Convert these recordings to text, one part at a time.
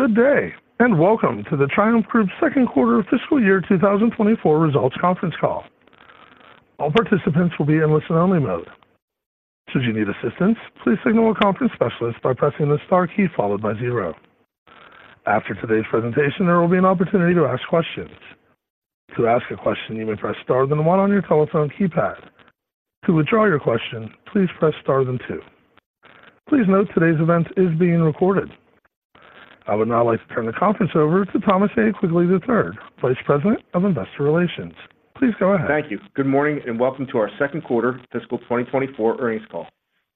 Good day, and welcome to the Triumph Group's second quarter fiscal year 2024 results conference call. All participants will be in listen-only mode. Should you need assistance, please signal a conference specialist by pressing the star key followed by zero. After today's presentation, there will be an opportunity to ask questions. To ask a question, you may press Star then one on your telephone keypad. To withdraw your question, please press Star then two. Please note, today's event is being recorded. I would now like to turn the conference over to Thomas A. Quigley III, Vice President of Investor Relations. Please go ahead. Thank you. Good morning, and welcome to our second quarter fiscal 2024 earnings call.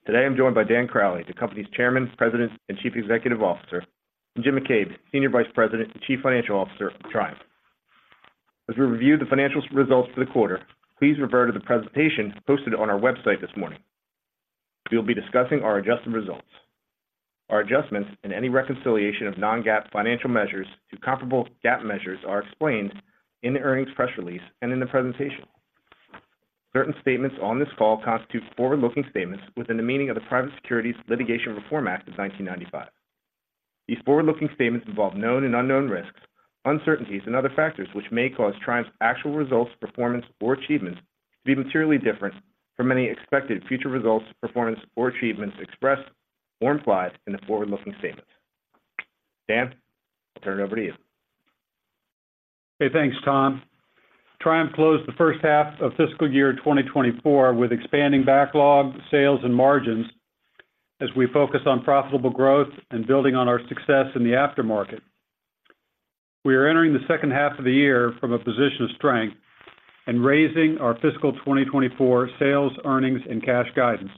Today, I'm joined by Dan Crowley, the company's Chairman, President, and Chief Executive Officer, and Jim McCabe, Senior Vice President and Chief Financial Officer of Triumph. As we review the financial results for the quarter, please refer to the presentation posted on our website this morning. We will be discussing our Adjusted Results. Our adjustments and any reconciliation of non-GAAP financial measures to comparable GAAP measures are explained in the earnings press release and in the presentation. Certain statements on this call constitute forward-looking statements within the meaning of the Private Securities Litigation Reform Act of 1995. These forward-looking statements involve known and unknown risks, uncertainties, and other factors, which may cause Triumph's actual results, performance, or achievements to be materially different from any expected future results, performance, or achievements expressed or implied in the forward-looking statements. Dan, I'll turn it over to you. Hey, thanks, Tom. Triumph closed the first half of fiscal year 2024 with expanding backlog, sales, and margins as we focus on profitable growth and building on our success in the aftermarket. We are entering the second half of the year from a position of strength and raising our fiscal 2024 sales, earnings, and cash guidance.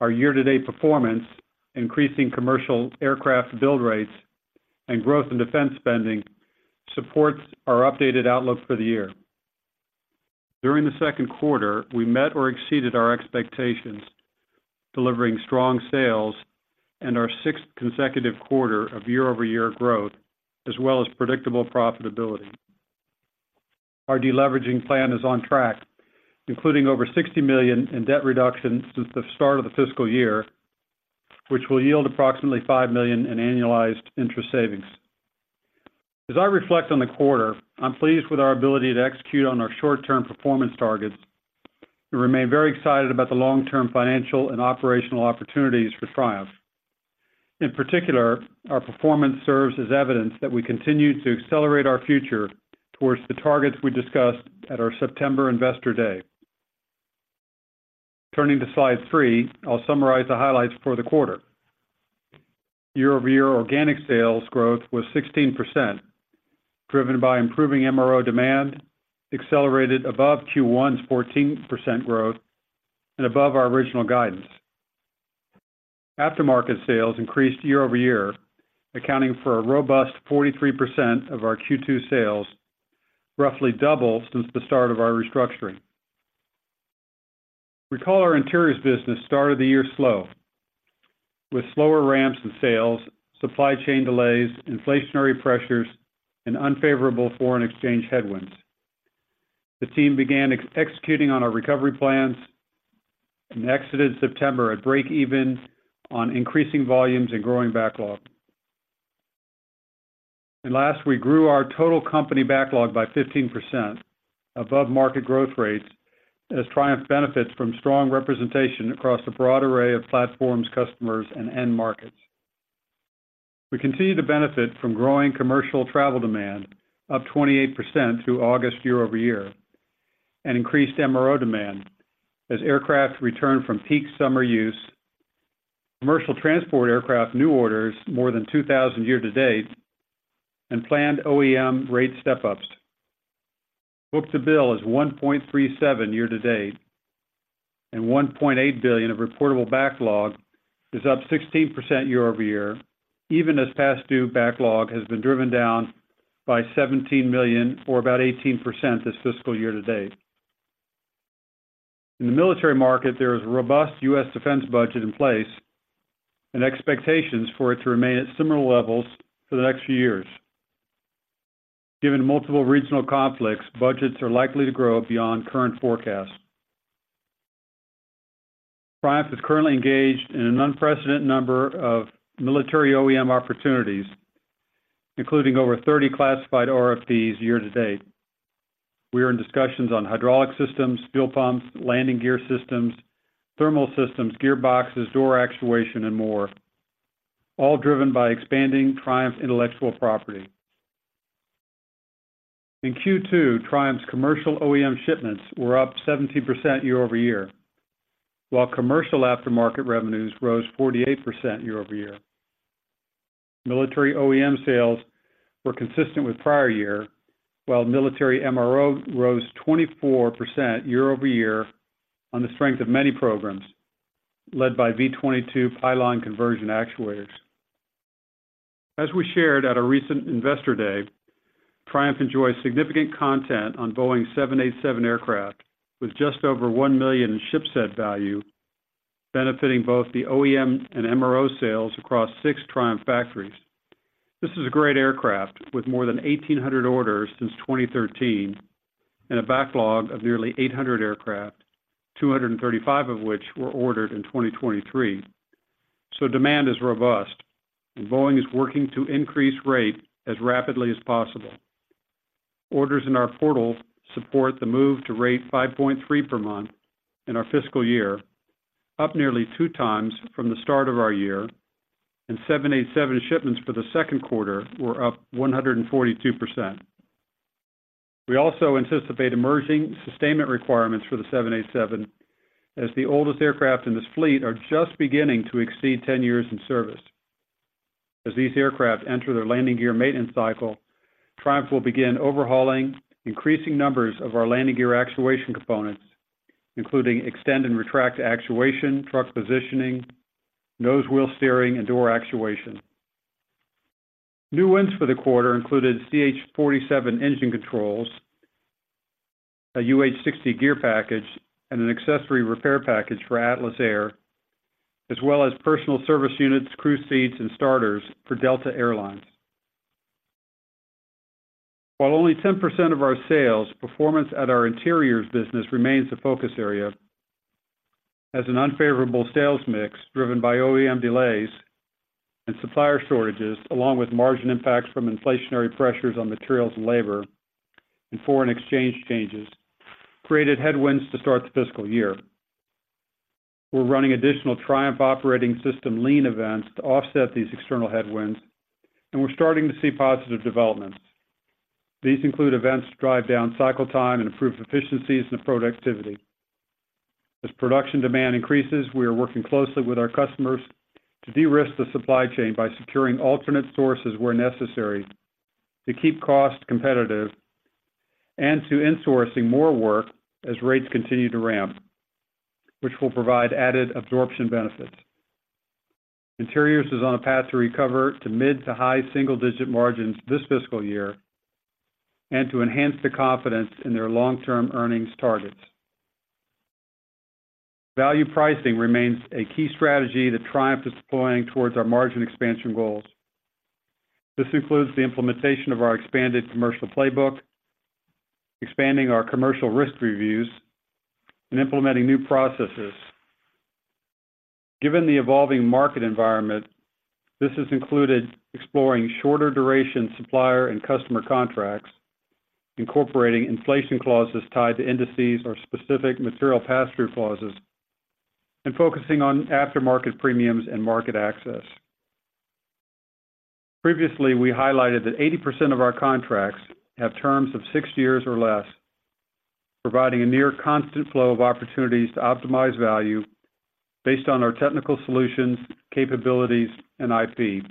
Our year-to-date performance, increasing commercial aircraft build rates, and growth in defense spending supports our updated outlook for the year. During the second quarter, we met or exceeded our expectations, delivering strong sales and our sixth consecutive quarter of year-over-year growth, as well as predictable profitability. Our deleveraging plan is on track, including over $60 million in debt reduction since the start of the fiscal year, which will yield approximately $5 million in annualized interest savings. As I reflect on the quarter, I'm pleased with our ability to execute on our short-term performance targets and remain very excited about the long-term financial and operational opportunities for Triumph. In particular, our performance serves as evidence that we continue to accelerate our future towards the targets we discussed at our September Investor Day. Turning to slide three, I'll summarize the highlights for the quarter. Year-over-year organic sales growth was 16%, driven by improving MRO demand, accelerated above Q1's 14% growth, and above our original guidance. Aftermarket sales increased year-over-year, accounting for a robust 43% of our Q2 sales, roughly double since the start of our restructuring. Recall our Interiors business started the year slow, with slower ramps in sales, supply chain delays, inflationary pressures, and unfavorable foreign exchange headwinds. The team began executing on our recovery plans and exited September at break even on increasing volumes and growing backlog. Last, we grew our total company backlog by 15%, above market growth rates, as Triumph benefits from strong representation across a broad array of platforms, customers, and end markets. We continue to benefit from growing commercial travel demand, up 28% through August year-over-year, and increased MRO demand as aircraft return from peak summer use, commercial transport aircraft new orders, more than 2,000 year-to-date, and planned OEM rate step-ups. Book-to-bill is 1.37 year-to-date, and $1.8 billion of reportable backlog is up 16% year-over-year, even as past due backlog has been driven down by $17 million or about 18% this fiscal year-to-date. In the military market, there is a robust U.S. defense budget in place and expectations for it to remain at similar levels for the next few years. Given multiple regional conflicts, budgets are likely to grow beyond current forecasts. Triumph is currently engaged in an unprecedented number of military OEM opportunities, including over 30 classified RFPs year to date. We are in discussions on hydraulic systems, fuel pumps, landing gear systems, thermal systems, gearboxes, door actuation, and more, all driven by expanding Triumph's intellectual property. In Q2, Triumph's commercial OEM shipments were up 70% year-over-year, while commercial aftermarket revenues rose 48% year-over-year. Military OEM sales were consistent with prior year, while military MRO rose 24% year-over-year on the strength of many programs, led by V-22 pylon conversion actuators. As we shared at our recent Investor Day, Triumph enjoys significant content on Boeing's 787 aircraft, with just over $1 million in ship set value, benefiting both the OEM and MRO sales across six Triumph factories. This is a great aircraft, with more than 1,800 orders since 2013 and a backlog of nearly 800 aircraft, 235 of which were ordered in 2023. So demand is robust, and Boeing is working to increase rate as rapidly as possible. Orders in our portal support the move to rate 5.3 per month in our fiscal year, up nearly 2x from the start of our year, and 787 shipments for the second quarter were up 142%. We also anticipate emerging sustainment requirements for the 787, as the oldest aircraft in this fleet are just beginning to exceed 10 years in service. As these aircraft enter their landing gear maintenance cycle, Triumph will begin overhauling increasing numbers of our landing gear actuation components, including extend and retract actuation, truck positioning, nose wheel steering, and door actuation. New wins for the quarter included CH-47 engine controls, a UH-60 gear package, and an accessory repair package for Atlas Air, as well as passenger service units, crew seats, and starters for Delta Air Lines. While only 10% of our sales, performance at our interiors business remains a focus area, as an unfavorable sales mix, driven by OEM delays and supplier shortages, along with margin impacts from inflationary pressures on materials and labor and foreign exchange changes, created headwinds to start the fiscal year. We're running additional Triumph Operating System Lean events to offset these external headwinds, and we're starting to see positive developments. These include events to drive down cycle time and improve efficiencies and productivity. As production demand increases, we are working closely with our customers to de-risk the supply chain by securing alternate sources where necessary, to keep costs competitive and to insourcing more work as rates continue to ramp, which will provide added absorption benefits. Interiors is on a path to recover to mid- to high single-digit margins this fiscal year and to enhance the confidence in their long-term earnings targets. Value pricing remains a key strategy that Triumph is deploying towards our margin expansion goals. This includes the implementation of our expanded commercial playbook, expanding our commercial risk reviews, and implementing new processes. Given the evolving market environment, this has included exploring shorter duration supplier and customer contracts, incorporating inflation clauses tied to indices or specific material pass-through clauses, and focusing on aftermarket premiums and market access. Previously, we highlighted that 80% of our contracts have terms of six years or less, providing a near constant flow of opportunities to optimize value based on our technical solutions, capabilities, and IP.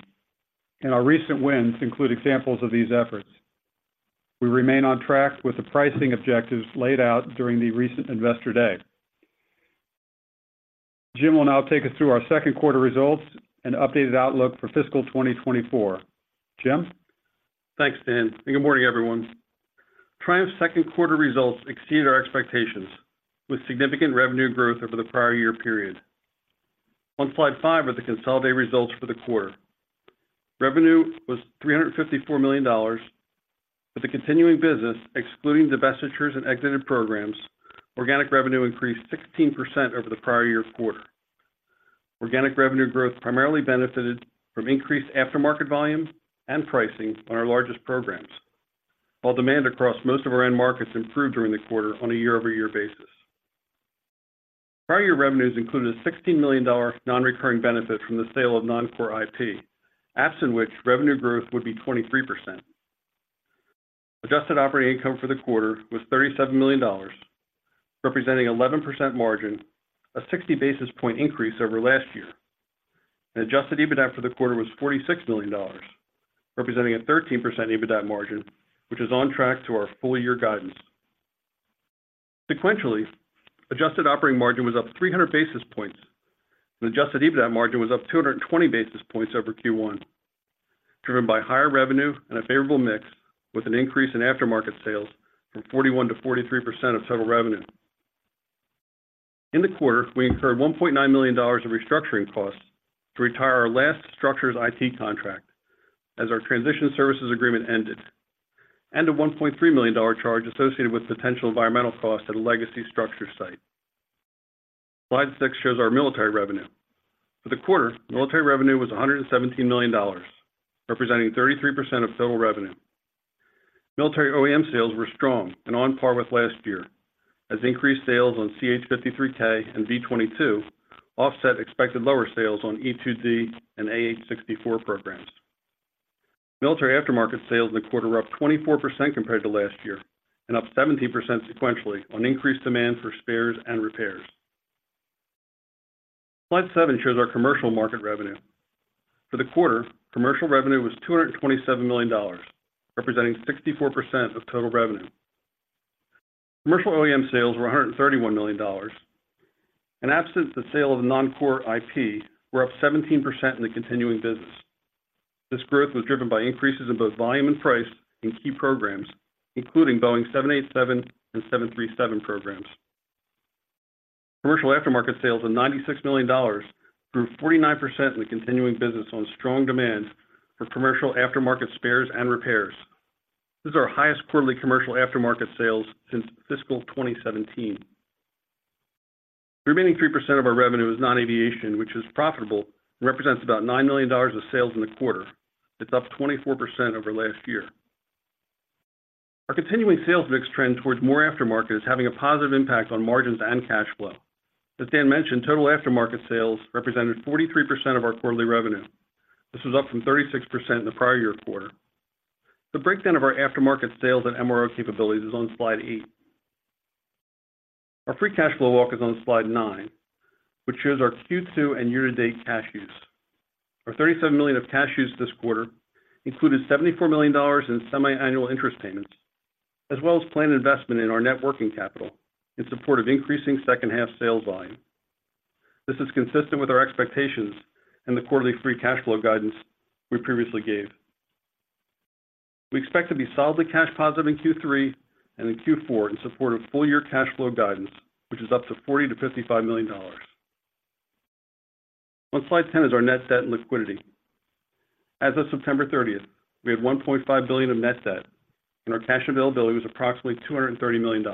Our recent wins include examples of these efforts. We remain on track with the pricing objectives laid out during the recent Investor Day. Jim will now take us through our second quarter results and updated outlook for fiscal 2024. Jim? Thanks, Dan, and good morning, everyone. Triumph's second quarter results exceeded our expectations, with significant revenue growth over the prior year period. On slide five are the consolidated results for the quarter. Revenue was $354 million, with a continuing business excluding divestitures and exited programs. Organic revenue increased 16% over the prior year's quarter. Organic revenue growth primarily benefited from increased aftermarket volume and pricing on our largest programs, while demand across most of our end markets improved during the quarter on a year-over-year basis. Prior year revenues included a $16 million non-recurring benefit from the sale of non-core IP, absent which, revenue growth would be 23%. Adjusted Operating Income for the quarter was $37 million, representing 11% margin, a 60 basis point increase over last year. Adjusted EBITDA for the quarter was $46 million, representing a 13% EBITDA margin, which is on track to our full-year guidance. Sequentially, Adjusted Operating Margin was up 300 basis points, and Adjusted EBITDA margin was up 220 basis points over Q1, driven by higher revenue and a favorable mix, with an increase in aftermarket sales from 41%-43% of total revenue. In the quarter, we incurred $1.9 million of restructuring costs to retire our last Structures IT contract, as our transition services agreement ended, and a $1.3 million dollar charge associated with potential environmental costs at a legacy structure site. Slide six shows our military revenue. For the quarter, military revenue was $117 million, representing 33% of total revenue. Military OEM sales were strong and on par with last year, as increased sales on CH-53K and V-22 offset expected lower sales on E-2D and AH-64 programs. Military aftermarket sales in the quarter were up 24% compared to last year and up 70% sequentially on increased demand for spares and repairs. Slide seven shows our commercial market revenue. For the quarter, commercial revenue was $227 million, representing 64% of total revenue. Commercial OEM sales were $131 million, and absent the sale of the non-core IP, were up 17% in the continuing business. This growth was driven by increases in both volume and price in key programs, including Boeing 787 and 737 programs. Commercial aftermarket sales of $96 million grew 49% in the continuing business on strong demand for commercial aftermarket spares and repairs. This is our highest quarterly commercial aftermarket sales since fiscal 2017. The remaining 3% of our revenue is non-aviation, which is profitable and represents about $9 million of sales in the quarter. It's up 24% over last year. Our continuing sales mix trend towards more aftermarket is having a positive impact on margins and cash flow. As Dan mentioned, total aftermarket sales represented 43% of our quarterly revenue. This was up from 36% in the prior year quarter. The breakdown of our aftermarket sales and MRO capabilities is on slide eight. Our free cash flow walk is on slide nine, which shows our Q2 and year-to-date cash use. Our $37 million of cash use this quarter included $74 million in semiannual interest payments, as well as planned investment in our net working capital in support of increasing second half sales volume. This is consistent with our expectations and the quarterly free cash flow guidance we previously gave. We expect to be solidly cash positive in Q3 and in Q4 in support of full year cash flow guidance, which is up to $40 million-$55 million. On slide 10 is our net debt and liquidity. As of September thirtieth, we had $1.5 billion of net debt, and our cash availability was approximately $230 million.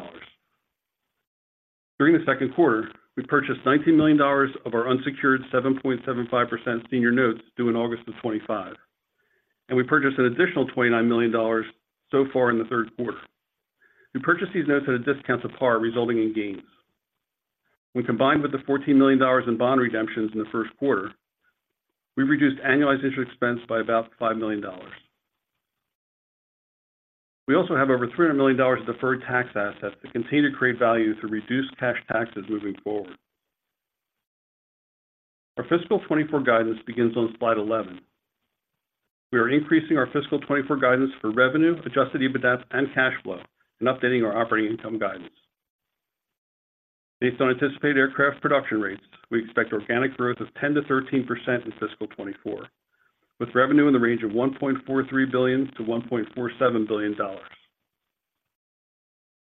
During the second quarter, we purchased $19 million of our unsecured 7.75% senior notes due in August 2025, and we purchased an additional $29 million so far in the third quarter. We purchased these notes at a discount to par, resulting in gains. When combined with the $14 million in bond redemptions in the first quarter, we reduced annualized interest expense by about $5 million. We also have over $300 million of deferred tax assets that continue to create value through reduced cash taxes moving forward. Our fiscal 2024 guidance begins on slide 11. We are increasing our fiscal 2024 guidance for revenue, Adjusted EBITDA, and cash flow, and updating our operating income guidance. Based on anticipated aircraft production rates, we expect organic growth of 10%-13% in fiscal 2024, with revenue in the range of $1.43 billion-$1.47 billion.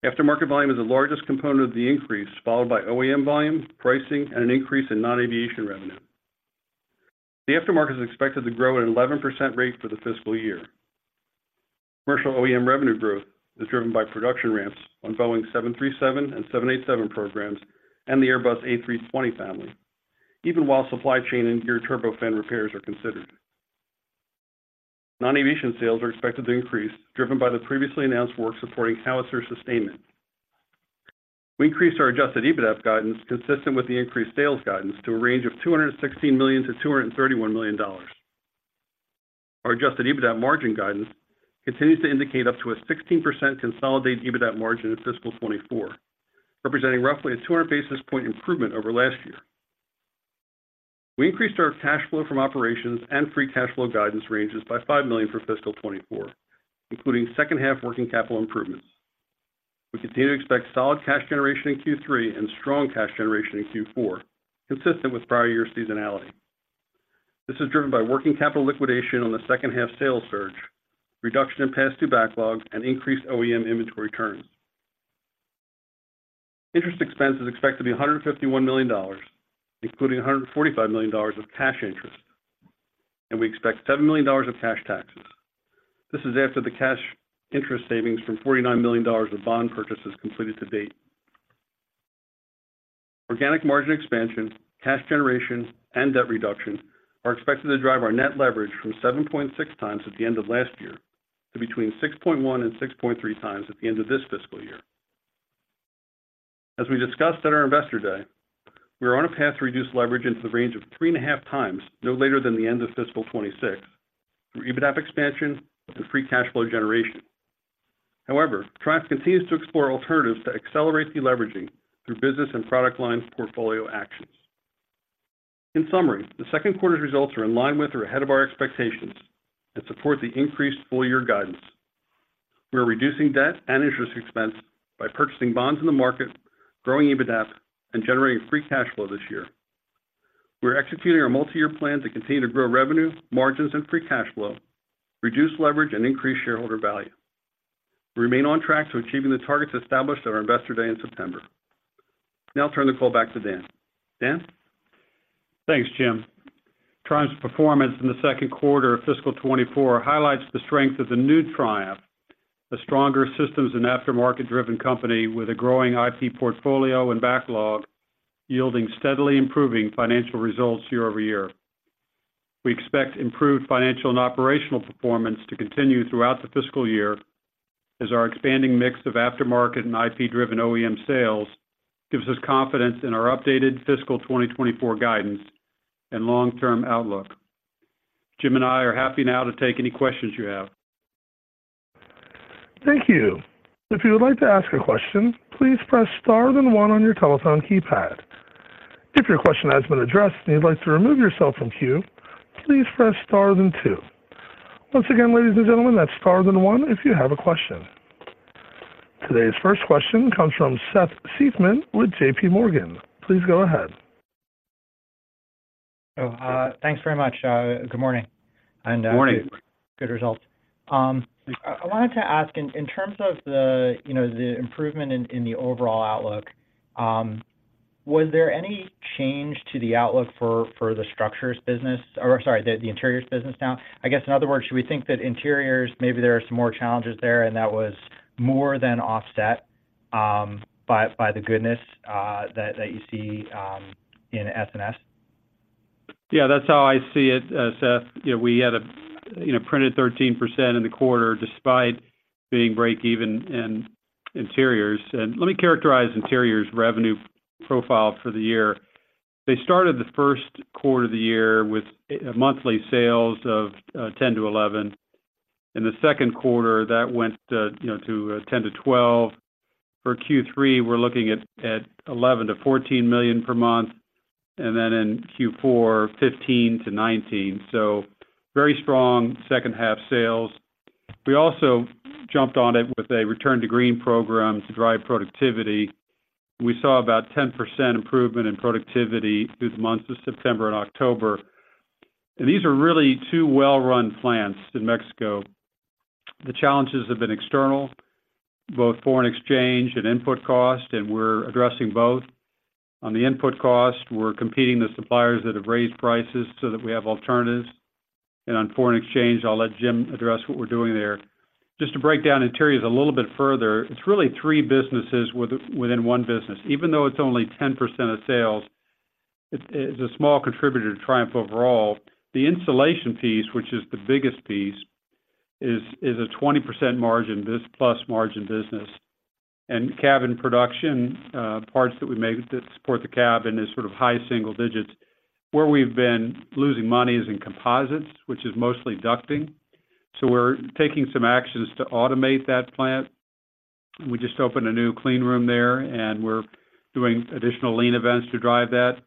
Aftermarket volume is the largest component of the increase, followed by OEM volume, pricing, and an increase in non-aviation revenue. The aftermarket is expected to grow at an 11% rate for the fiscal year. Commercial OEM revenue growth is driven by production ramps on Boeing 737 and 787 programs and the Airbus A320 family, even while supply chain and Geared Turbofan repairs are considered. Non-aviation sales are expected to increase, driven by the previously announced work supporting Howitzer sustainment. We increased our Adjusted EBITDA guidance, consistent with the increased sales guidance, to a range of $216 million-$231 million. Our Adjusted EBITDA margin guidance continues to indicate up to a 16% consolidated EBITDA margin in fiscal 2024, representing roughly a 200 basis point improvement over last year. We increased our cash flow from operations and free cash flow guidance ranges by $5 million for fiscal 2024, including second half working capital improvements. We continue to expect solid cash generation in Q3 and strong cash generation in Q4, consistent with prior year seasonality. This is driven by working capital liquidation on the second half sales surge, reduction in past due backlog, and increased OEM inventory turns. Interest expense is expected to be $151 million, including $145 million of cash interest, and we expect $7 million of cash taxes. This is after the cash interest savings from $49 million of bond purchases completed to date. Organic margin expansion, cash generation, and debt reduction are expected to drive our net leverage from 7.6x at the end of last year to between 6.1x and 6.3x at the end of this fiscal year. As we discussed at our Investor Day, we are on a path to reduce leverage into the range of 3.5x, no later than the end of fiscal 2026, through EBITDA expansion and free cash flow generation. However, Triumph continues to explore alternatives to accelerate deleveraging through business and product line portfolio actions. In summary, the second quarter's results are in line with or ahead of our expectations and support the increased full year guidance. We are reducing debt and interest expense by purchasing bonds in the market, growing EBITDA, and generating free cash flow this year. We are executing our multi-year plan to continue to grow revenue, margins, and free cash flow, reduce leverage, and increase shareholder value. We remain on track to achieving the targets established at our Investor Day in September. Now I'll turn the call back to Dan. Dan? Thanks, Jim. Triumph's performance in the second quarter of fiscal 2024 highlights the strength of the new Triumph, a stronger systems and aftermarket-driven company with a growing IP portfolio and backlog, yielding steadily improving financial results year-over-year. We expect improved financial and operational performance to continue throughout the fiscal year, as our expanding mix of aftermarket and IP-driven OEM sales gives us confidence in our updated fiscal 2024 guidance and long-term outlook. Jim and I are happy now to take any questions you have. Thank you. If you would like to ask a question, please press star then one on your telephone keypad. If your question has been addressed and you'd like to remove yourself from queue, please press star then two. Once again, ladies and gentlemen, that's star then one if you have a question. Today's first question comes from Seth Seifman with JP Morgan. Please go ahead.... So, thanks very much. Good morning, and- Good morning. Good results. I wanted to ask in terms of the, you know, the improvement in the overall outlook, was there any change to the outlook for the structures business, or sorry, the interiors business now? I guess, in other words, should we think that interiors, maybe there are some more challenges there, and that was more than offset by the goodness that you see in S&S? Yeah, that's how I see it, Seth. You know, we had, you know, printed 13% in the quarter, despite being breakeven in interiors. Let me characterize interiors revenue profile for the year. They started the first quarter of the year with monthly sales of $10 million-$11 million. In the second quarter, that went to, you know, to $10-12 million. For Q3, we're looking at $11-14 million per month, and then in Q4, $15-19 million. So very strong second half sales. We also jumped on it with a Return to Green program to drive productivity. We saw about 10% improvement in productivity through the months of September and October. These are really two well-run plants in Mexico. The challenges have been external, both foreign exchange and input cost, and we're addressing both. On the input cost, we're competing with suppliers that have raised prices so that we have alternatives. And on foreign exchange, I'll let Jim address what we're doing there. Just to break down interiors a little bit further, it's really three businesses within one business. Even though it's only 10% of sales, it's a small contributor to Triumph overall. The insulation piece, which is the biggest piece, is a 20% margin, this plus margin business. And cabin production, parts that we make that support the cabin is sort of high single digits. Where we've been losing money is in composites, which is mostly ducting. So we're taking some actions to automate that plant. We just opened a new clean room there, and we're doing additional lean events to drive that.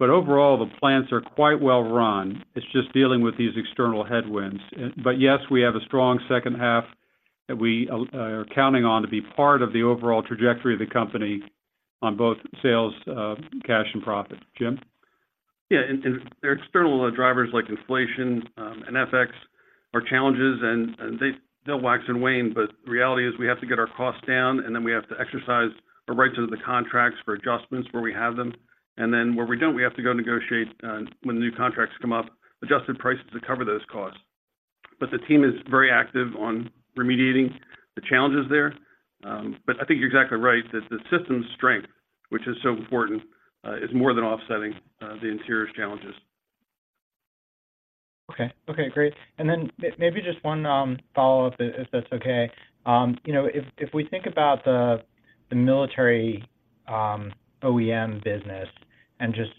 But overall, the plants are quite well run. It's just dealing with these external headwinds. But yes, we have a strong second half that we are counting on to be part of the overall trajectory of the company on both sales, cash, and profit. Jim? Yeah, and there are external drivers like inflation, and FX are challenges, and they, they'll wax and wane, but reality is we have to get our costs down, and then we have to exercise our rights under the contracts for adjustments where we have them. And then where we don't, we have to go negotiate, when the new contracts come up, adjusted prices to cover those costs. But the team is very active on remediating the challenges there. But I think you're exactly right, that the system's strength, which is so important, is more than offsetting, the interiors challenges. Okay. Okay, great. And then maybe just one follow-up, if, if that's okay. You know, if, if we think about the military OEM business and just,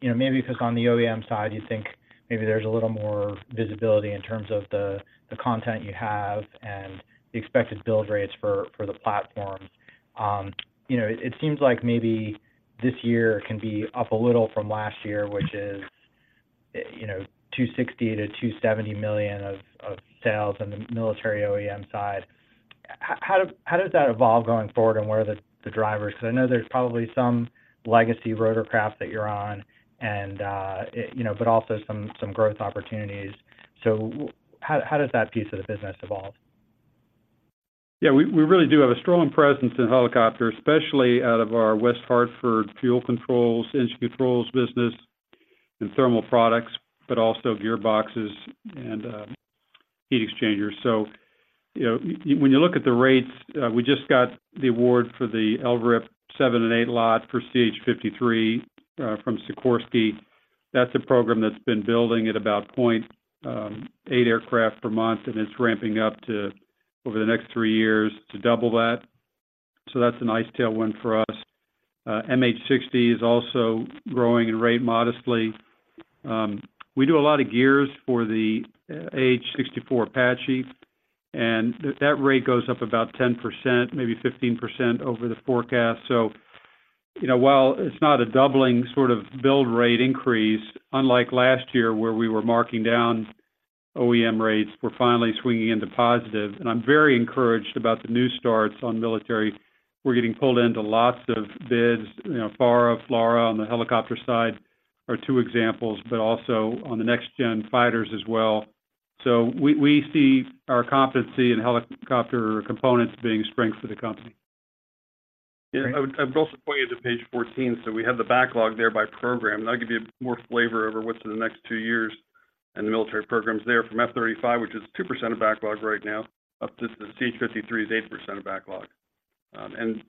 you know, maybe because on the OEM side, you think maybe there's a little more visibility in terms of the content you have and the expected build rates for the platforms. You know, it seems like maybe this year can be up a little from last year, which is, you know, $260 million-$270 million of sales on the military OEM side. How, how does that evolve going forward, and what are the drivers? Because I know there's probably some legacy rotor craft that you're on and, it, you know, but also some growth opportunities. So how, how does that piece of the business evolve? Yeah, we, we really do have a strong presence in helicopters, especially out of our West Hartford fuel controls, engine controls business and thermal products, but also gearboxes and heat exchangers. So you know, when you look at the rates, we just got the award for the LRIP 7 and 8 lot for CH-53 from Sikorsky. That's a program that's been building at about 0.8 aircraft per month, and it's ramping up over the next three years to double that. So that's a nice tailwind for us. MH-60 is also growing in rate modestly. We do a lot of gears for the H-64 Apache, and that rate goes up about 10%, maybe 15% over the forecast. So, you know, while it's not a doubling sort of build rate increase, unlike last year, where we were marking down OEM rates, we're finally swinging into positive. And I'm very encouraged about the new starts on military. We're getting pulled into lots of bids, you know, FARA, FLRAA on the helicopter side are two examples, but also on the next-gen fighters as well. So we, we see our competency in helicopter components being a strength to the company. Yeah, I'd also point you to page 14. So we have the backlog there by program, that'll give you more flavor over what's in the next two years. And the military program is there from F-35, which is 2% of backlog right now, up to the CH-53's 8% of backlog. And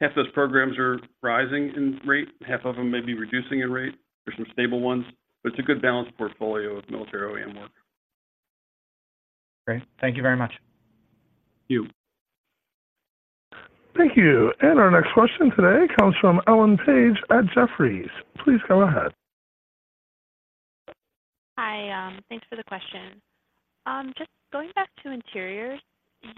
half those programs are rising in rate, half of them may be reducing in rate. There's some stable ones, but it's a good balanced portfolio of military OEM work. Great. Thank you very much. Thank you. Thank you. Our next question today comes from Ellen Page at Jefferies. Please go ahead. Hi, thanks for the question. Just going back to interiors,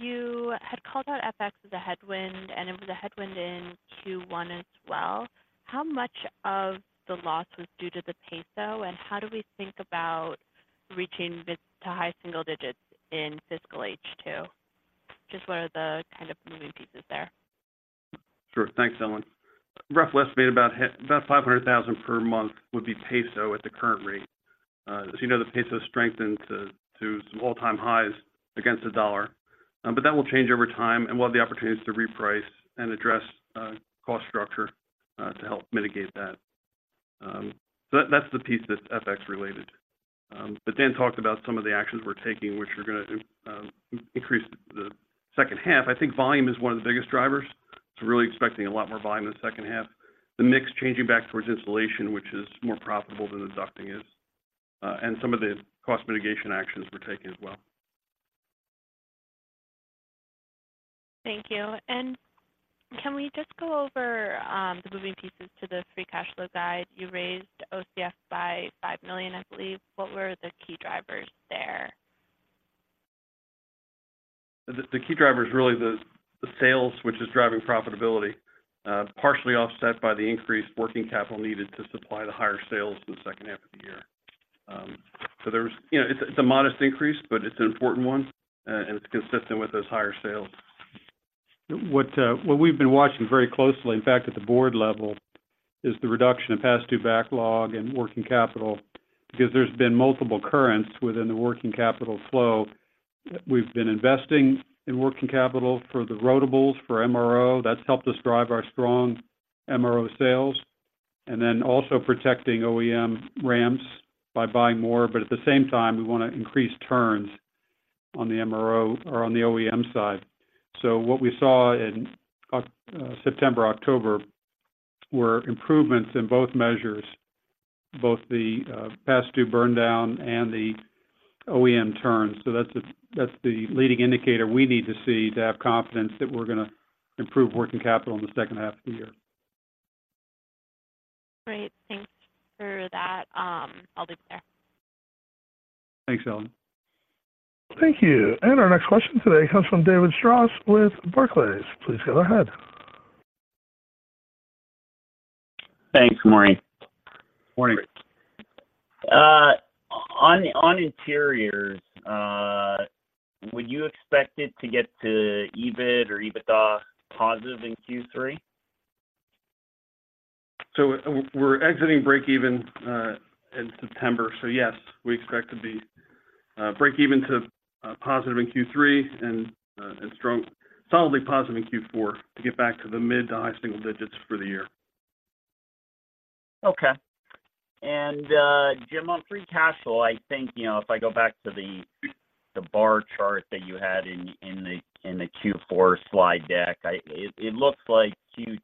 you had called out FX as a headwind, and it was a headwind in Q1 as well. How much of the loss was due to the peso, and how do we think about reaching mid to high single digits in fiscal H2? Just what are the kind of moving pieces there?... Sure. Thanks, Ellen. Rough estimate, about 500,000 per month would be MXN at the current rate. As you know, the Mexican peso strengthened to some all-time highs against the US dollar. But that will change over time, and we'll have the opportunities to reprice and address cost structure to help mitigate that. So that, that's the piece that's FX related. But Dan talked about some of the actions we're taking, which are gonna increase the second half. I think volume is one of the biggest drivers, so we're really expecting a lot more volume in the second half. The mix changing back towards insulation, which is more profitable than the ducting is, and some of the cost mitigation actions we're taking as well. Thank you. And can we just go over the moving pieces to the free cash flow guide? You raised OCF by $5 million, I believe. What were the key drivers there? The key driver is really the sales, which is driving profitability, partially offset by the increased working capital needed to supply the higher sales in the second half of the year. So there's... You know, it's a modest increase, but it's an important one, and it's consistent with those higher sales. What we've been watching very closely, in fact, at the board level, is the reduction of past due backlog and working capital because there's been multiple currents within the working capital flow. We've been investing in working capital for the rotables, for MRO. That's helped us drive our strong MRO sales, and then also protecting OEM ramps by buying more, but at the same time, we wanna increase turns on the MRO or on the OEM side. So what we saw in September, October, were improvements in both measures, both the, past due burn down and the OEM turns. So that's the, that's the leading indicator we need to see to have confidence that we're gonna improve working capital in the second half of the year. Great. Thanks for that, I'll leave it there. Thanks, Ellen. Thank you. And our next question today comes from David Strauss with Barclays. Please go ahead. Thanks. Morning. Morning. On interiors, would you expect it to get to EBIT or EBITDA positive in Q3? So we're exiting break even in September. So yes, we expect to be break even to positive in Q3 and strong, solidly positive in Q4 to get back to the mid to high single digits for the year. Okay. And, Jim, on free cash flow, I think, you know, if I go back to the bar chart that you had in the Q4 slide deck, it looks like Q2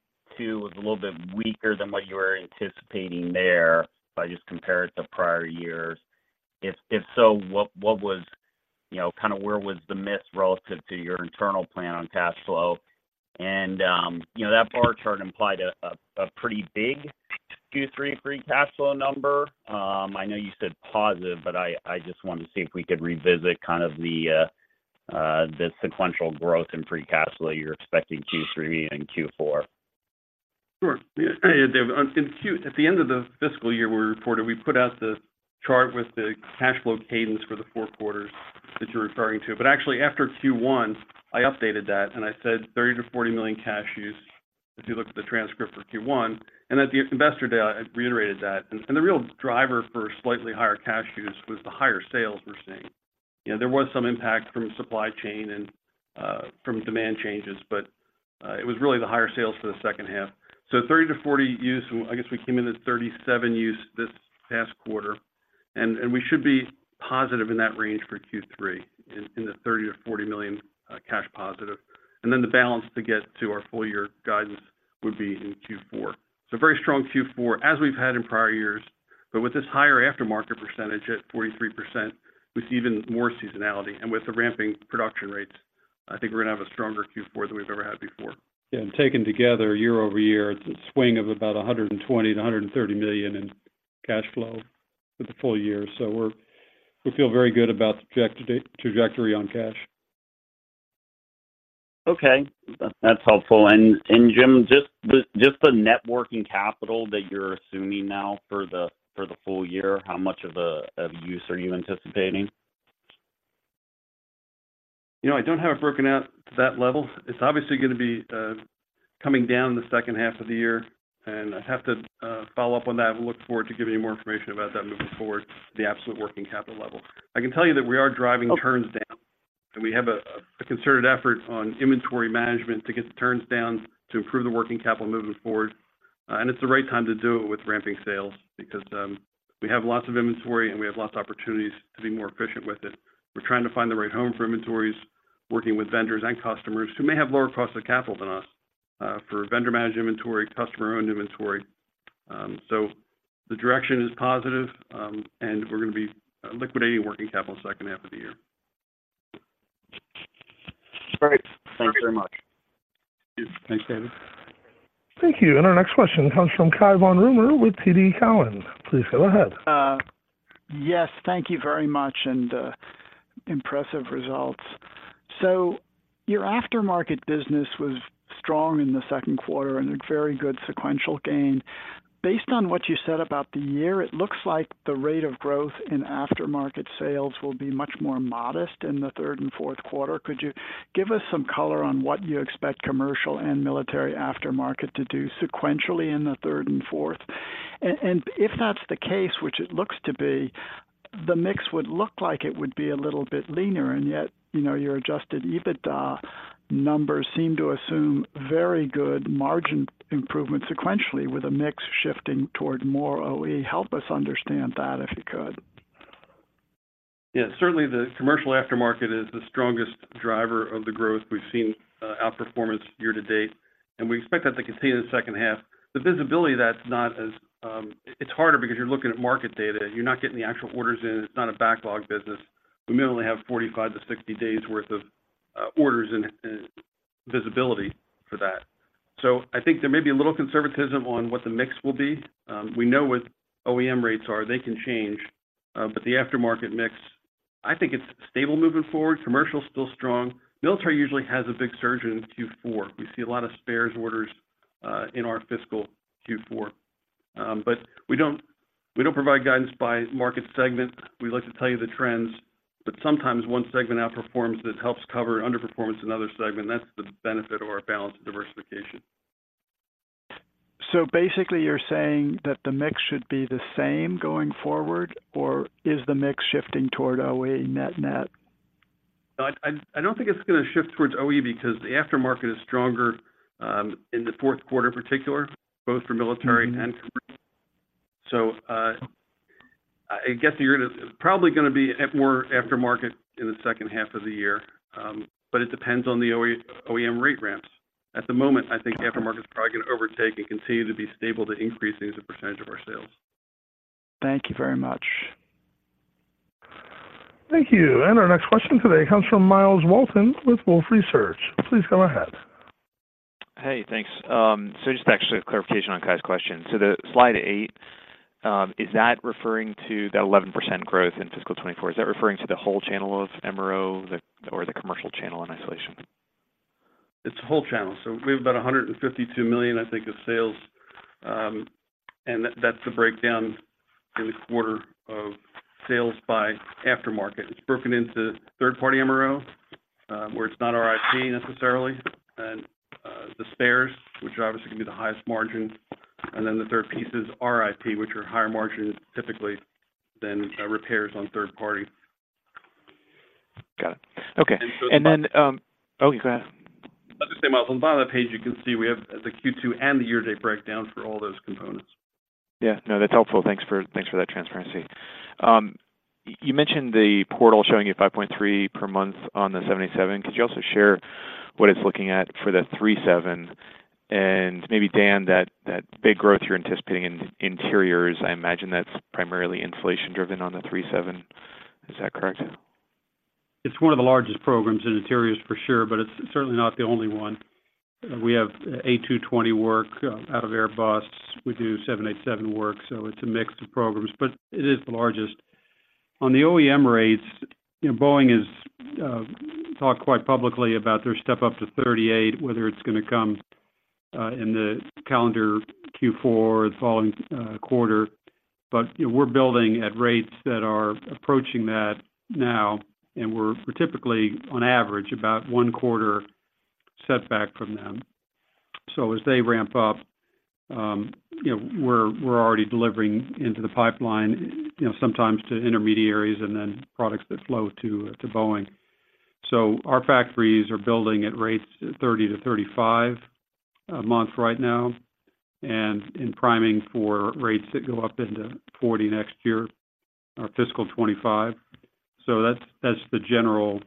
was a little bit weaker than what you were anticipating there, if I just compare it to prior years. If so, what was... You know, kind of where was the miss relative to your internal plan on cash flow? And, you know, that bar chart implied a pretty big Q3 free cash flow number. I know you said positive, but I just wanted to see if we could revisit kind of the sequential growth in free cash flow you're expecting Q3 and Q4. Sure. Yeah, David, in Q4 at the end of the fiscal year, we reported, we put out the chart with the cash flow cadence for the four quarters that you're referring to. But actually, after Q1, I updated that, and I said $30-$40 million cash use, if you look at the transcript for Q1, and at the Investor Day, I reiterated that. And the real driver for slightly higher cash use was the higher sales we're seeing. You know, there was some impact from supply chain and from demand changes, but it was really the higher sales for the second half. So $30 million-$40 million use, I guess we came in at $37 million use this past quarter, and we should be positive in that range for Q3, in the $30 million-$40 million cash positive. Then the balance to get to our full year guidance would be in Q4. Very strong Q4, as we've had in prior years, but with this higher aftermarket percentage at 43%, with even more seasonality and with the ramping production rates, I think we're going to have a stronger Q4 than we've ever had before. Yeah, and taken together year over year, it's a swing of about $120 million-$130 million in cash flow for the full year. So we feel very good about the trajectory on cash. Okay, that's helpful. And Jim, just the net working capital that you're assuming now for the full year, how much of a use are you anticipating? You know, I don't have it broken out to that level. It's obviously gonna be coming down in the second half of the year, and I'd have to follow up on that. I look forward to giving you more information about that moving forward, the absolute working capital level. I can tell you that we are driving turns down, and we have a concerted effort on inventory management to get the turns down to improve the working capital moving forward. And it's the right time to do it with ramping sales because we have lots of inventory, and we have lots of opportunities to be more efficient with it. We're trying to find the right home for inventories, working with vendors and customers who may have lower costs of capital than us, for vendor managed inventory, customer-owned inventory. So the direction is positive, and we're gonna be liquidating working capital the second half of the year. Great. Thank you very much. Thanks, David. Thank you. Our next question comes from Cai von Rumohr with TD Cowen. Please go ahead. Yes, thank you very much, and impressive results. So your aftermarket business was strong in the second quarter and a very good sequential gain. Based on what you said about the year, it looks like the rate of growth in aftermarket sales will be much more modest in the third and fourth quarter. Could you give us some color on what you expect commercial and military aftermarket to do sequentially in the third and fourth? And if that's the case, which it looks to be, the mix would look like it would be a little bit leaner, and yet, you know, your Adjusted EBITDA numbers seem to assume very good margin improvement sequentially, with a mix shifting toward more OE. Help us understand that, if you could. Yeah, certainly, the commercial aftermarket is the strongest driver of the growth. We've seen outperformance year to date, and we expect that to continue in the second half. The visibility, that's not as... It's harder because you're looking at market data. You're not getting the actual orders in. It's not a backlog business. We may only have 45-60 days worth of orders and visibility for that. So I think there may be a little conservatism on what the mix will be. We know what OEM rates are. They can change, but the aftermarket mix, I think it's stable moving forward. Commercial's still strong. Military usually has a big surge in Q4. We see a lot of spares orders in our fiscal Q4. But we don't provide guidance by market segment. We like to tell you the trends, but sometimes one segment outperforms, that helps cover underperformance in other segment. That's the benefit of our balanced diversification. Basically, you're saying that the mix should be the same going forward, or is the mix shifting toward OE net net? I don't think it's going to shift towards OE because the aftermarket is stronger in the fourth quarter, particularly both for military- Mm-hmm - and commercial. So, I guess the year is probably going to be at more aftermarket in the second half of the year, but it depends on the OE, OEM rate ramps. At the moment, I think aftermarket is probably going to overtake and continue to be stable to increasing as a percentage of our sales. Thank you very much. Thank you. Our next question today comes from Myles Walton with Wolfe Research. Please go ahead. Hey, thanks. So just actually a clarification on Cai's question. So the slide eight, is that referring to that 11% growth in fiscal 2024? Is that referring to the whole channel of MRO, the, or the commercial channel in isolation? It's the whole channel. So we have about $152 million, I think, of sales. And that's the breakdown in the quarter of sales by aftermarket. It's broken into third-party MRO, where it's not our IP necessarily, and the spares, which obviously can be the highest margin, and then the third piece is our IP, which are higher margin typically than repairs on third party. Got it. Okay. And so- Oh, go ahead. Just say, Myles, on the bottom of the page, you can see we have the Q2 and the year-to-date breakdown for all those components. Yeah. No, that's helpful. Thanks for, thanks for that transparency. You mentioned the portal showing you 5.3 per month on the 787. Could you also share what it's looking at for the 737? And maybe, Dan, that, that big growth you're anticipating in interiors, I imagine that's primarily inflation driven on the 737. Is that correct? It's one of the largest programs in interiors, for sure, but it's certainly not the only one. We have A220 work out of Airbus. We do 787 work, so it's a mix of programs, but it is the largest. On the OEM rates, you know, Boeing has talked quite publicly about their step up to 38, whether it's going to come in the calendar Q4 or the following quarter. But, you know, we're building at rates that are approaching that now, and we're typically, on average, about one quarter setback from them. So as they ramp up, you know, we're already delivering into the pipeline, you know, sometimes to intermediaries and then products that flow to Boeing. Our factories are building at rates 30-35 a month right now, and in priming for rates that go up into 40 next year, or fiscal 2025. That's the general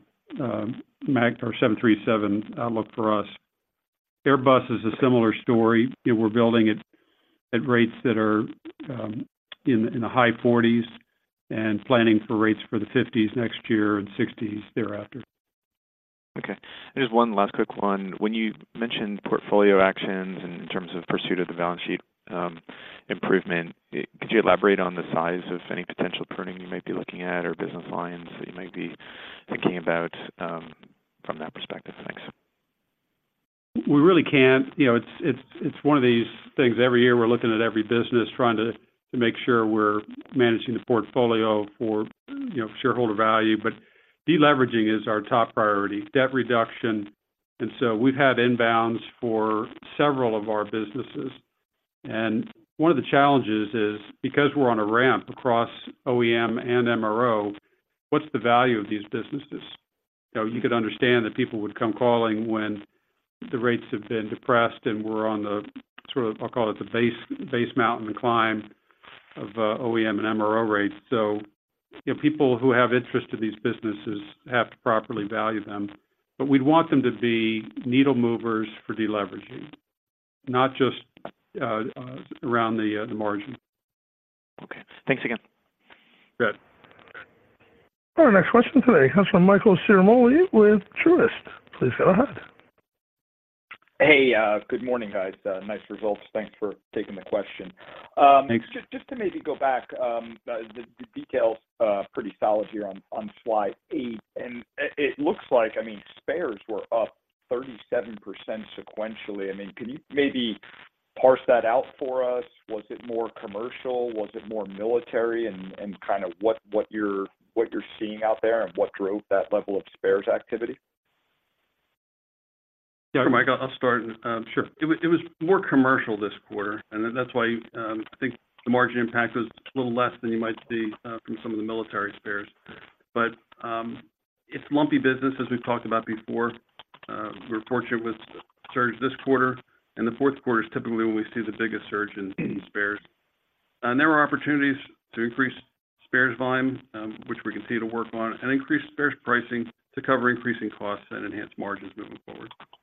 MAX or 737 outlook for us. Airbus is a similar story. You know, we're building it at rates that are in the high 40s and planning for rates for the 50s next year and 60s thereafter. Okay. Just one last quick one. When you mentioned portfolio actions in terms of pursuit of the balance sheet improvement, could you elaborate on the size of any potential pruning you may be looking at or business lines that you might be thinking about from that perspective? Thanks. We really can't. You know, it's one of these things. Every year, we're looking at every business, trying to make sure we're managing the portfolio for, you know, shareholder value, but deleveraging is our top priority, debt reduction. And so we've had inbounds for several of our businesses, and one of the challenges is, because we're on a ramp across OEM and MRO, what's the value of these businesses? You know, you could understand that people would come calling when the rates have been depressed and we're on the, sort of, I'll call it the base mountain climb of OEM and MRO rates. So, you know, people who have interest in these businesses have to properly value them, but we'd want them to be needle movers for deleveraging, not just around the margin. Okay. Thanks again. Good. Our next question today comes from Michael Ciarmoli with Truist. Please go ahead. Hey, good morning, guys. Nice results. Thanks for taking the question. Thanks. Just, just to maybe go back, the details pretty solid here on slide eight, and it looks like, I mean, spares were up... 37% sequentially. I mean, can you maybe parse that out for us? Was it more commercial? Was it more military? And kind of what you're seeing out there and what drove that level of spares activity? Yeah, Mike, I'll start. Sure. It was more commercial this quarter, and that's why, I think the margin impact is a little less than you might see, from some of the military spares. But, it's lumpy business, as we've talked about before. We're fortunate with surge this quarter, and the fourth quarter is typically when we see the biggest surge in spares. And there are opportunities to increase spares volume, which we continue to work on, and increase spares pricing to cover increasing costs and enhance margins moving forward. Yeah,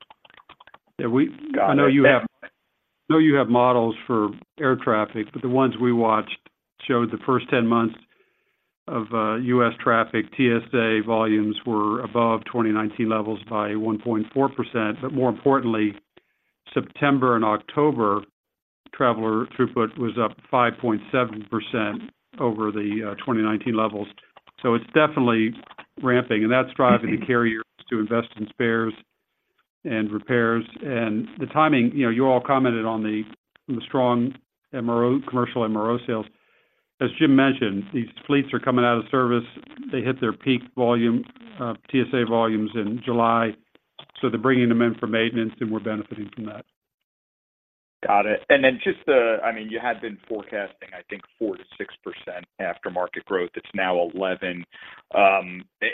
we- Got it. I know you have, I know you have models for air traffic, but the ones we watched showed the first 10 months of U.S. traffic, TSA volumes were above 2019 levels by 1.4%. But more importantly, September and October, traveler throughput was up 5.7% over the 2019 levels. So it's definitely ramping, and that's driving the carriers to invest in spares and repairs. And the timing, you know, you all commented on the strong MRO, commercial MRO sales. As Jim mentioned, these fleets are coming out of service. They hit their peak volume, TSA volumes in July, so they're bringing them in for maintenance, and we're benefiting from that. Got it. And then just the—I mean, you had been forecasting, I think, 4%-6% aftermarket growth. It's now 11%.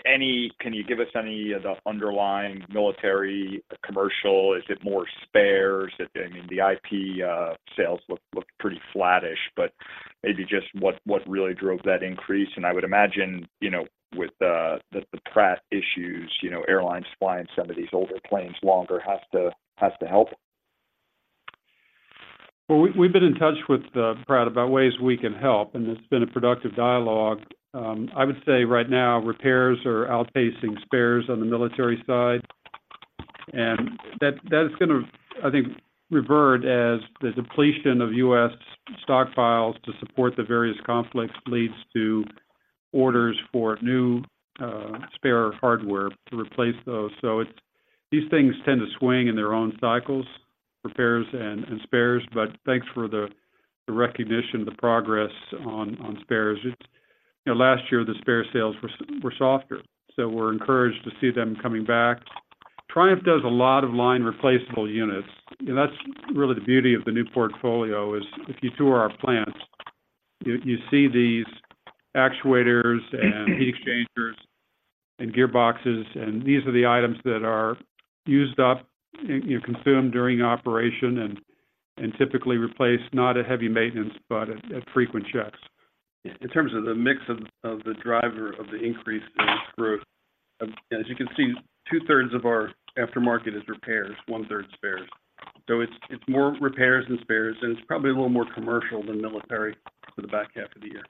Any—can you give us any of the underlying military commercial? Is it more spares? I mean, the IP sales look pretty flattish, but maybe just what really drove that increase? And I would imagine, you know, with the Pratt issues, you know, airlines flying some of these older planes longer has to help. Well, we've been in touch with Pratt about ways we can help, and it's been a productive dialogue. I would say right now, repairs are outpacing spares on the military side, and that is gonna, I think, revert as the depletion of U.S. stockpiles to support the various conflicts leads to orders for new spare hardware to replace those. So, these things tend to swing in their own cycles, repairs and spares, but thanks for the recognition, the progress on spares. You know, last year, the spare sales were softer, so we're encouraged to see them coming back. Triumph does a lot of line replaceable units, and that's really the beauty of the new portfolio is, if you tour our plants, you see these actuators and heat exchangers and gearboxes, and these are the items that are used up, you know, consumed during operation and typically replaced, not at heavy maintenance, but at frequent checks. In terms of the mix of, of the driver of the increase in growth, as you can see, 2/3 of our aftermarket is repairs, 1/3 spares. So it's, it's more repairs than spares, and it's probably a little more commercial than military for the back half of the year.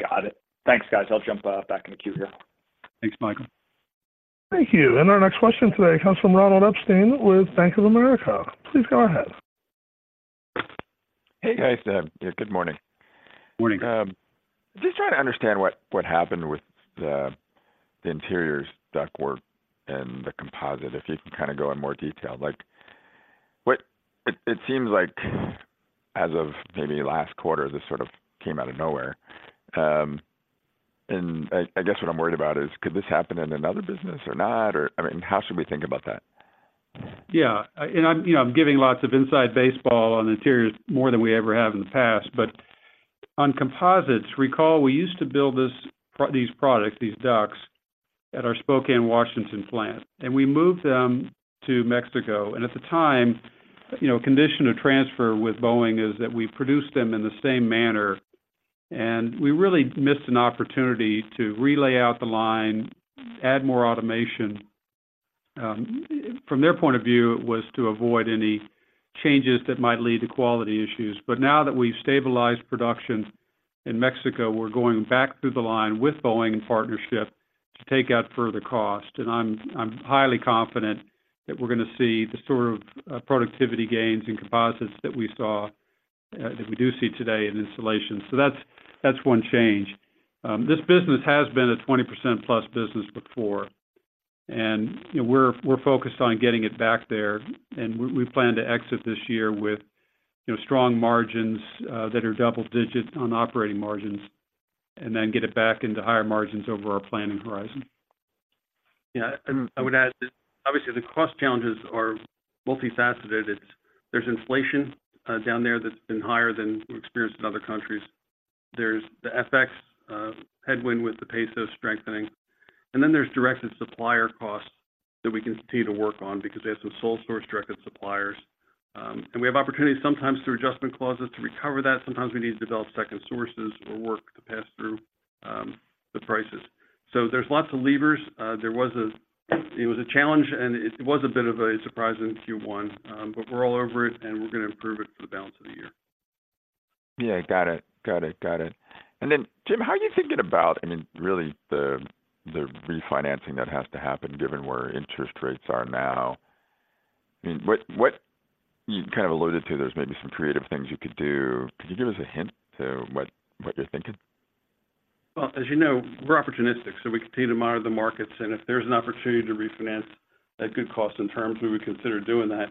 Got it. Thanks, guys. I'll jump back in the queue here. Thanks, Michael. Thank you. And our next question today comes from Ronald Epstein with Bank of America. Please go ahead. Hey, guys. Yeah, good morning. Morning. Just trying to understand what happened with the interiors ductwork and the composite, if you can kind of go in more detail. Like, it seems like as of maybe last quarter, this sort of came out of nowhere. And I guess what I'm worried about is, could this happen in another business or not? Or, I mean, how should we think about that? Yeah, and, you know, I'm giving lots of inside baseball on interiors more than we ever have in the past, but on composites, recall, we used to build these products, these ducts, at our Spokane, Washington plant, and we moved them to Mexico. At the time, you know, condition of transfer with Boeing is that we produced them in the same manner, and we really missed an opportunity to relay out the line, add more automation. From their point of view, it was to avoid any changes that might lead to quality issues. But now that we've stabilized production in Mexico, we're going back through the line with Boeing in partnership to take out further cost. And I'm highly confident that we're gonna see the sort of productivity gains in composites that we saw that we do see today in installation. So that's one change. This business has been a 20%+ business before, and, you know, we're focused on getting it back there, and we plan to exit this year with, you know, strong margins that are double digits on operating margins, and then get it back into higher margins over our planning horizon. Yeah, and I would add that obviously, the cost challenges are multifaceted. There's inflation down there that's been higher than we've experienced in other countries. There's the FX headwind with the peso strengthening, and then there's directed supplier costs that we continue to work on because they have some sole source directed suppliers. And we have opportunities sometimes through adjustment clauses to recover that. Sometimes we need to develop second sources or work to pass through the prices. So there's lots of levers. It was a challenge, and it was a bit of a surprise in Q1, but we're all over it, and we're gonna improve it for the balance of the year. Yeah, got it. Got it, got it. And then, Jim, how are you thinking about, I mean, really, the, the refinancing that has to happen given where interest rates are now? I mean, what, what... You kind of alluded to, there's maybe some creative things you could do. Could you give us a hint to what, what you're thinking?... Well, as you know, we're opportunistic, so we continue to monitor the markets, and if there's an opportunity to refinance at good cost and terms, we would consider doing that.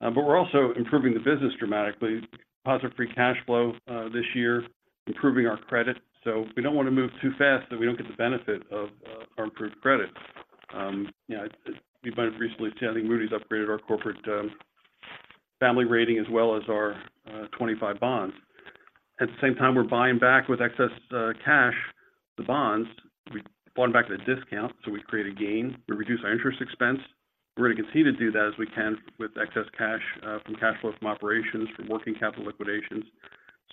But we're also improving the business dramatically, positive free cash flow, this year, improving our credit. So we don't want to move too fast, so we don't get the benefit of, our improved credit. You know, as you might have recently seen, I think Moody's upgraded our corporate, family rating as well as our, 25 bonds. At the same time, we're buying back with excess, cash, the bonds. We bought them back at a discount, so we create a gain. We reduce our interest expense. We're going to continue to do that as we can with excess cash, from cash flow from operations, from working capital liquidations.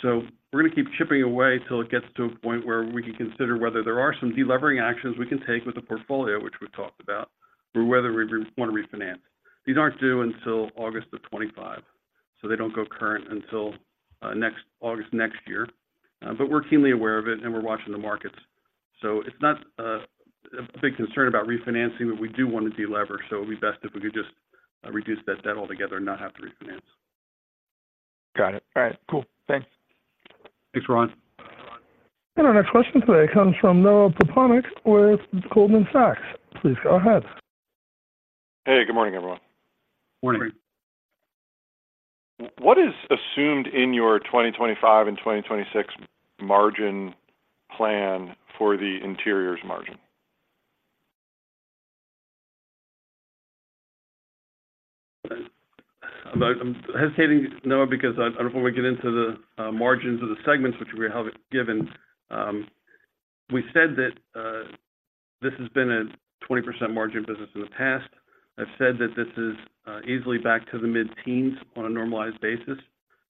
So we're going to keep chipping away till it gets to a point where we can consider whether there are some delevering actions we can take with the portfolio, which we talked about, or whether we want to refinance. These aren't due until August of 2025, so they don't go current until next August next year. But we're keenly aware of it, and we're watching the markets. So it's not a big concern about refinancing, but we do want to delever, so it'd be best if we could just reduce that debt altogether and not have to refinance. Got it. All right, cool. Thanks. Thanks, Ron. Our next question today comes from Noah Poponak with Goldman Sachs. Please go ahead. Hey, good morning, everyone. Morning. What is assumed in your 2025 and 2026 margin plan for the interiors margin? I'm hesitating, Noah, because I don't want to get into the margins of the segments, which we have given. We said that this has been a 20% margin business in the past. I've said that this is easily back to the mid-teens on a normalized basis.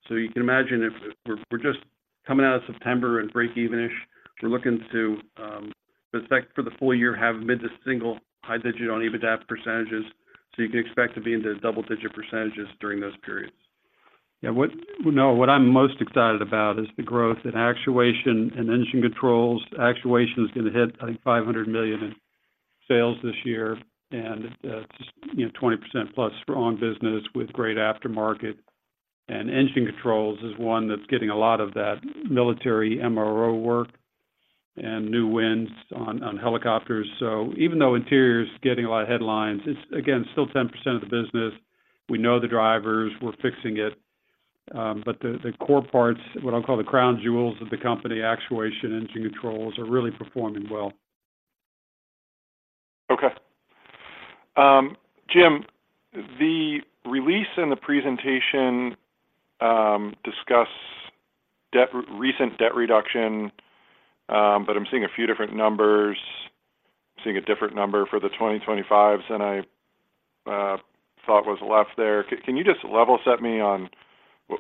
So you can imagine if we're just coming out of September and breakeven-ish, we're looking to expect for the full year, have mid to single high digit on EBITDA percentages, so you can expect to be into double-digit percentages during those periods. Yeah, what... Noah, what I'm most excited about is the growth in actuation and engine controls. Actuation is going to hit, I think, $500 million in sales this year, and just, you know, 20%+ on business with great aftermarket. And engine controls is one that's getting a lot of that military MRO work and new wins on helicopters. So even though Interiors is getting a lot of headlines, it's, again, still 10% of the business. We know the drivers, we're fixing it. But the core parts, what I'll call the crown jewels of the company, actuation, engine controls, are really performing well. Okay. Jim, the release and the presentation discuss debt—recent debt reduction, but I'm seeing a few different numbers. I'm seeing a different number for the 2025s than I thought was left there. Can you just level set me on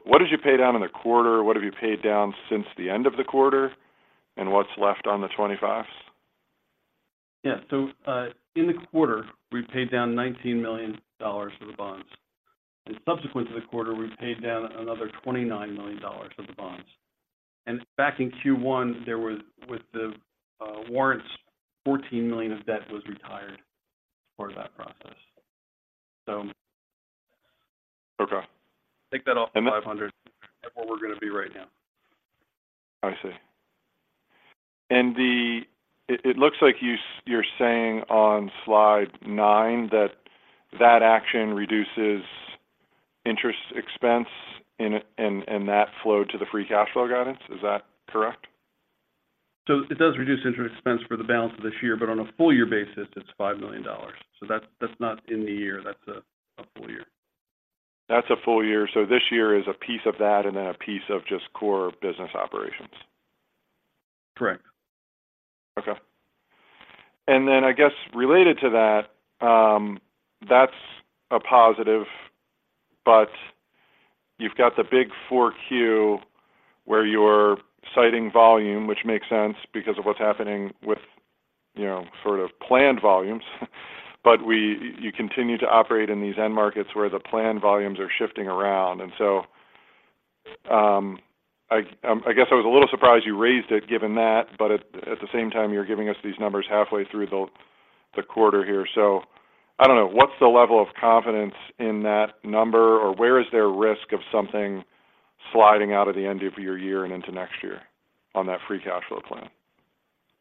what did you pay down in the quarter? What have you paid down since the end of the quarter, and what's left on the 2025s? Yeah. In the quarter, we paid down $19 million for the bonds. Subsequent to the quarter, we paid down another $29 million for the bonds. Back in Q1, there was, with the warrants, $14 million of debt was retired for that process, so. Okay. Take that off the $500. That's where we're going to be right now. I see. And it looks like you're saying on slide nine that that action reduces interest expense and that flowed to the free cash flow guidance. Is that correct? So it does reduce interest expense for the balance of this year, but on a full year basis, it's $5 million. So that's not in the year. That's a full year. That's a full year. This year is a piece of that and then a piece of just core business operations? Correct. Okay. And then I guess related to that, that's a positive, but you've got the big Q4, where you're citing volume, which makes sense because of what's happening with, you know, sort of planned volumes. But you continue to operate in these end markets where the planned volumes are shifting around. And so, I guess I was a little surprised you raised it, given that, but at the same time, you're giving us these numbers halfway through the quarter here. So I don't know, what's the level of confidence in that number, or where is there risk of something sliding out of the end of your year and into next year on that free cash flow plan?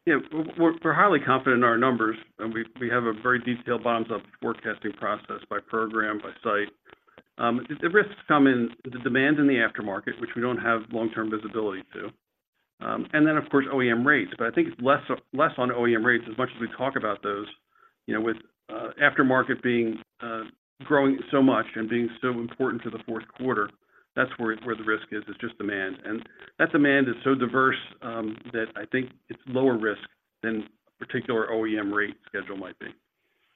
Yeah, we're highly confident in our numbers, and we have a very detailed bottoms-up forecasting process by program, by site. The risks come in the demand in the aftermarket, which we don't have long-term visibility to, and then, of course, OEM rates, but I think it's less on OEM rates as much as we talk about those, you know, with aftermarket being growing so much and being so important to the fourth quarter, that's where the risk is, it's just demand. And that demand is so diverse, that I think it's lower risk than a particular OEM rate schedule might be.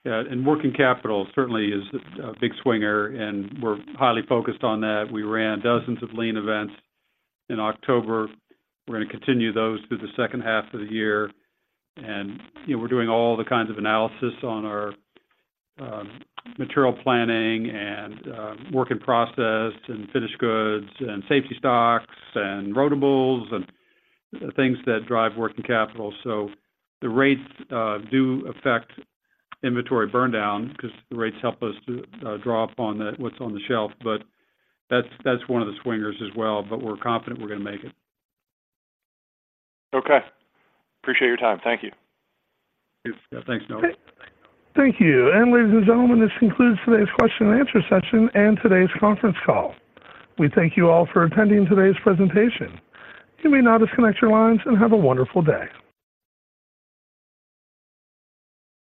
Yeah, and working capital certainly is a big swinger, and we're highly focused on that. We ran dozens of lean events in October. We're going to continue those through the second half of the year. And, you know, we're doing all the kinds of analysis on our material planning and work in process and finished goods and safety stocks and rotables and things that drive working capital. So the rates do affect inventory burndown because the rates help us to draw upon the what's on the shelf, but that's one of the swingers as well, but we're confident we're going to make it. Okay. Appreciate your time. Thank you. Thanks. Yeah, thanks, Noah. Thank you. And ladies and gentlemen, this concludes today's question and answer session and today's conference call. We thank you all for attending today's presentation. You may now disconnect your lines, and have a wonderful day.